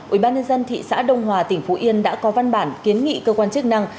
ubnd thị xã đông hòa tỉnh phú yên đã có văn bản kiến nghị cơ quan chức năng